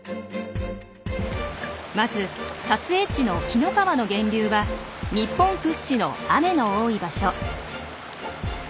まず撮影地の紀の川の源流は日本屈指の雨の多い場所。